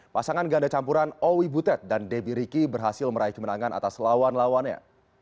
pasangan ganda campuran owi butet dan debbie ricky berhasil meraih kemenangan atas lawan lawannya